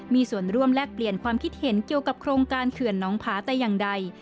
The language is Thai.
มีส่วนร่วมแลกเปลี่ยนความคิดเห็นเกี่ยวกับโครงการเขื่อนน้องผาแต่อย่างใด